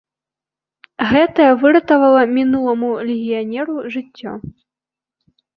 Гэта выратавала мінуламу легіянеру жыццё.